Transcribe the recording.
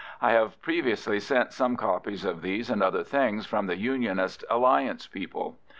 I have previously sent some copies of these and other things from the Unionist Alliance people.